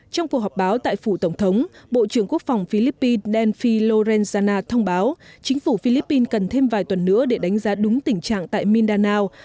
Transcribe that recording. trong cuộc họp báo tại phủ tổng thống bộ trưởng quốc phòng philippines nelphie lorenzana thông báo chính phủ philippines cần thêm vài tuần nữa để đánh giá đúng tình trạng tại mindanao